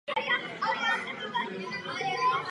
Jak je na tom Nizozemsko?